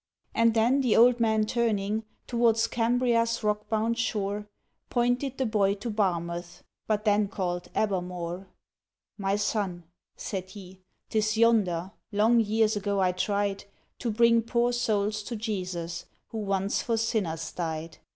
And then the old man turning, Towards Cambria's rock bound shore, Pointed the boy to Barmouth, But then called Abermawr. "My son," said he, "'tis yonder, Long years ago I tried To bring poor souls to Jesus, Who once for sinners died.